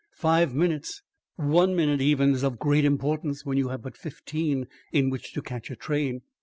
Five minutes, one minute even is of great importance when you have but fifteen in which to catch a train."